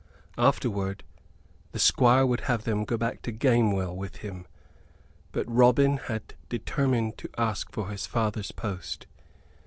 Afterward, the Squire would have them go back to Gamewell with him; but Robin had determined to ask for his father's post.